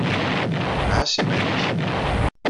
Ɛas iman-ik.